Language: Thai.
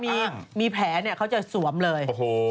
แล้วถ้าเรามีแพงเขาจะส่วมเลย